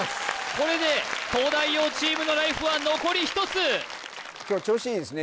これで東大王チームのライフは残り１つ今日調子いいですね